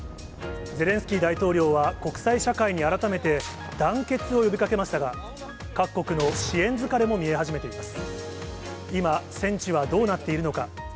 ゼレンスキー大統領は国際社会に改めて団結を呼びかけましたが、各国の支援疲れも見え始めています。